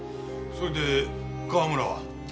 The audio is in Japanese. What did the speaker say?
それで川村は？